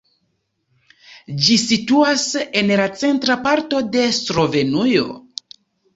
Ĝi situas en la centra parto de Slovenujo.